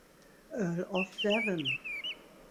Earl of Devon.